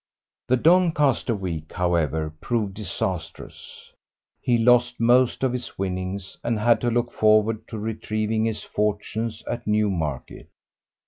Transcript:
The Doncaster week, however, proved disastrous. He lost most of his winnings, and had to look forward to retrieving his fortunes at Newmarket.